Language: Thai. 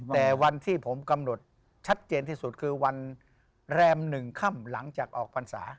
แต่วันที่ผมกำหนดชัดเจนที่สุดคือวันแรม๑ค่ำหลังจากออกพรรษา